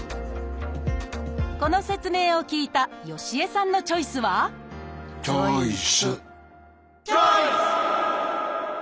この説明を聞いたヨシ江さんのチョイスはチョイス！